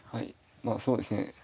まあそうですね